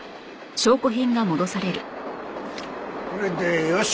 これでよし。